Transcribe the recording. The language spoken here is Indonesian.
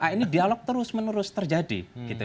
ini dialog terus menerus terjadi